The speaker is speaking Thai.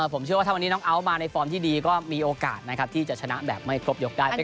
ผมเชื่อว่าถ้าวันนี้น้องเอาท์มาในฟอร์มที่ดีก็มีโอกาสนะครับที่จะชนะแบบไม่ครบยกได้